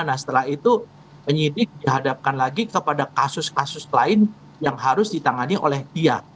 nah setelah itu penyidik dihadapkan lagi kepada kasus kasus lain yang harus ditangani oleh dia